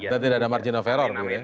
dan tidak ada margin of error